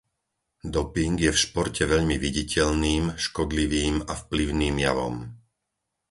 Doping je v športe veľmi viditeľným, škodlivým a vplyvným javom.